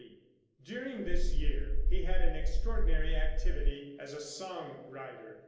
During this year he had an extraordinary activity as a song writer.